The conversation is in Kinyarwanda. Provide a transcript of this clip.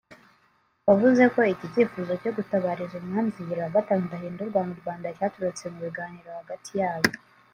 wavuze ko iki cyifuzo cyo gutabariza Umwami Kigeli V Ndahindurwa mu Rwanda cyaturutse mu biganiro hagati yabo